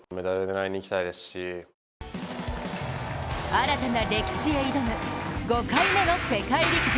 新たな歴史へ挑む５回目の世界陸上。